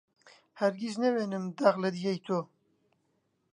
هەرگیز نەوینم داخ لە دییەی تۆ